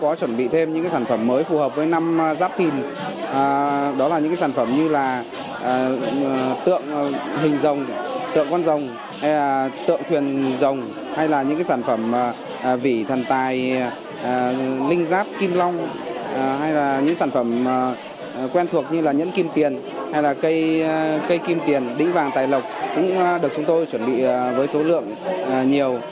các sản phẩm hình rồng tượng con rồng tượng thuyền rồng hay là những sản phẩm vỉ thần tài linh giáp kim long hay là những sản phẩm quen thuộc như nhẫn kim tiền hay là cây kim tiền đính vàng tài lộng cũng được chúng tôi chuẩn bị với số lượng nhiều